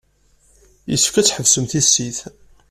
Yessefk ad tḥebsem tissit.